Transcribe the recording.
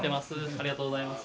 ありがとうございます。